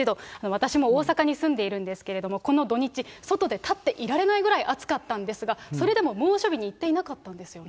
私も大阪に住んでいるんですけれども、この土日、外で立っていられないぐらい暑かったんですが、それでも猛暑日にいっていなかったんですよね。